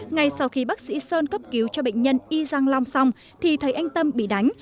ngay sau khi bác sĩ sơn cấp cứu cho bệnh nhân y giang long xong thì thấy anh tâm bị đánh